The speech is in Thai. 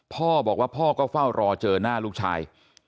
พ่อบอกว่าพ่อก็เฝ้ารอเจอหน้าลูกชาย